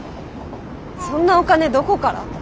そんなお金どこから？